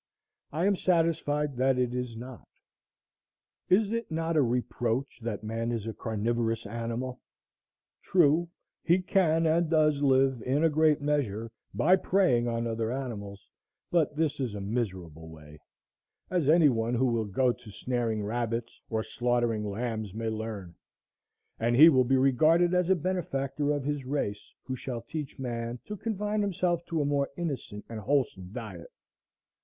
I am satisfied that it is not. Is it not a reproach that man is a carnivorous animal? True, he can and does live, in a great measure, by preying on other animals; but this is a miserable way,—as any one who will go to snaring rabbits, or slaughtering lambs, may learn,—and he will be regarded as a benefactor of his race who shall teach man to confine himself to a more innocent and wholesome diet.